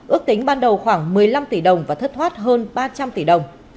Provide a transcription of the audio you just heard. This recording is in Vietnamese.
ước tính ban đầu khoảng một mươi năm tỷ đồng và thất thoát hơn ba trăm linh tỷ đồng